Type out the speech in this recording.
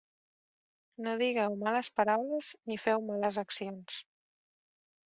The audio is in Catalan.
No digueu males paraules ni feu males accions.